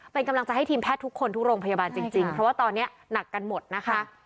เป็นกำลังใจให้ทีมแพทย์ทุกคนทุกโรงพยาบาลจริงเพราะว่าตอนนี้หนักกันหมดนะคะ